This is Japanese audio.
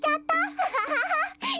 アハハッ！